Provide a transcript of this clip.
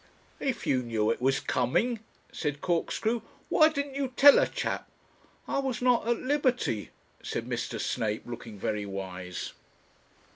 'If you knew it was coming,' said Corkscrew, 'why didn't you tell a chap?' 'I was not at liberty,' said Mr. Snape, looking very wise.